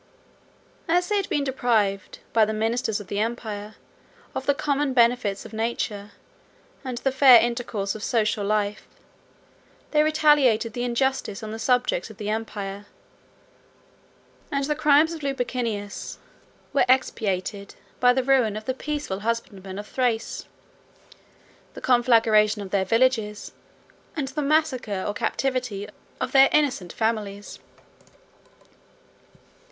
As they had been deprived, by the ministers of the emperor, of the common benefits of nature, and the fair intercourse of social life, they retaliated the injustice on the subjects of the empire; and the crimes of Lupicinus were expiated by the ruin of the peaceful husbandmen of Thrace, the conflagration of their villages, and the massacre, or captivity, of their innocent families.